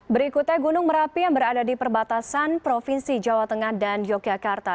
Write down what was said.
berikutnya gunung merapi yang berada di perbatasan provinsi jawa tengah dan yogyakarta